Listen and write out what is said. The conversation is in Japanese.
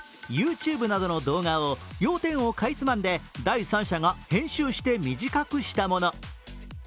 ＹｏｕＴｕｂｅなどの動画を要点をかいつまんで、第三者が編集して短くしたもの。